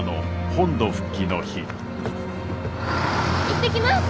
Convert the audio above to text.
行ってきます。